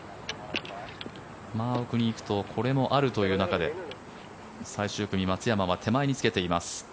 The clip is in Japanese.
奥に行くとこれもあるという中で最終組、松山は手前につけています。